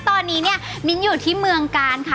ตอนนี้เนี่ยมิ้นอยู่ที่เมืองกาลค่ะ